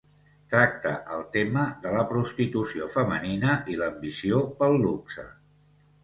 Tracta el tema de la prostitució femenina i l'ambició pel luxe.